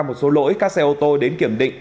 một số lỗi các xe ô tô đến kiểm định